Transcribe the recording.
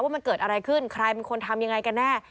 ว่ามันเกิดอะไรขึ้นใครเป็นคนทำยังไงกันแน่